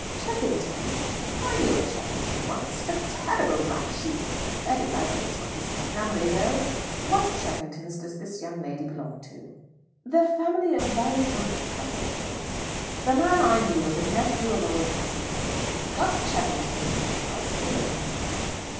"Cheffington? I knew a Cheffington once a terrible black sheep. Very likely it's not the same family, though. What Cheffingtons does this young lady belong to?" "The family of Viscount Castlecombe." "The man I knew was a nephew of old Castlecombe. Gus Cheffington his name was, I remember now."